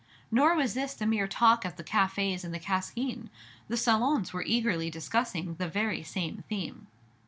Nor was this the mere talk of the cafés and the Cascine. The salons were eagerly discussing the very same theme.